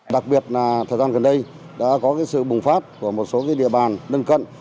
đặc biệt là thời gian gần đây đã có sự bùng phát của một số địa bàn nâng cận